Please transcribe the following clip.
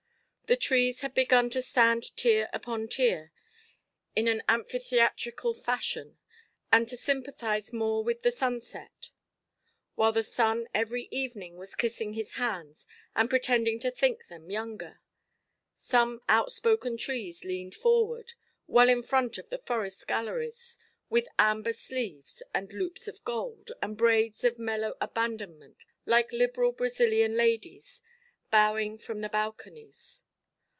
The trees had begun to stand tier upon tier, in an amphitheatrical fashion, and to sympathise more with the sunset; while the sun every evening was kissing his hands, and pretending to think them younger. Some outspoken trees leaned forward, well in front of the forest–galleries, with amber sleeves, and loops of gold, and braids of mellow abandonment, like liberal Brazilian ladies, bowing from the balconies.